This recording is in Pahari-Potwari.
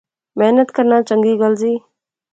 محنت کرنا چنگی گل زی